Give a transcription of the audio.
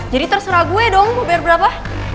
jadi terserah gue dong mau bayar berapa